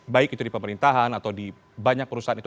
baik itu di pemerintahan atau di banyak perusahaan itu